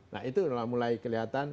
nah itu mulai kelihatan